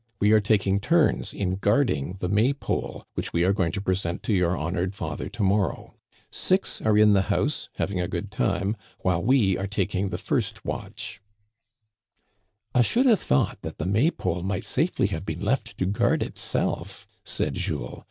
" We are taking turns in guarding the May pole which we are going to present to your honored father to mor row. Six are in the house, having a good time, while we are taking the first watch." I should have thought that the May pole might safely have been left to guard itself," said Jules.